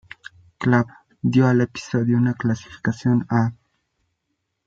Club" dio al episodio una calificación A–.